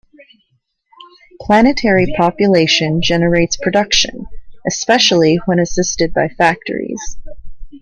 Planetary population generates production, especially when assisted by factories.